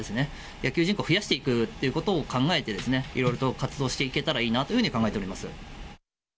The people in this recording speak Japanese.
野球人口を増やしていくということを考えていろいろと活動していければいいなというふうに考えております。